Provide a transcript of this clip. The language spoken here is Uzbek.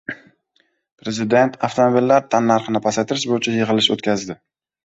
Prezident avtomobillar tannarxini pasaytirish bo‘yicha yig‘ilish o‘tkazdi